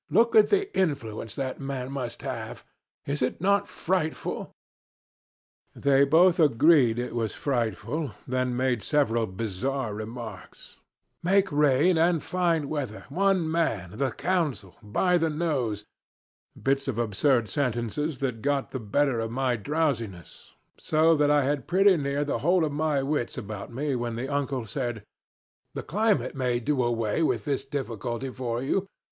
Look at the influence that man must have. Is it not frightful?' They both agreed it was frightful, then made several bizarre remarks: 'Make rain and fine weather one man the Council by the nose' bits of absurd sentences that got the better of my drowsiness, so that I had pretty near the whole of my wits about me when the uncle said, 'The climate may do away with this difficulty for you.